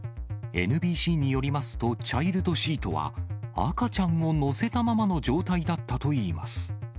ＮＢＣによりますと、チャイルドシートは、赤ちゃんを乗せたままの状態だったといいます。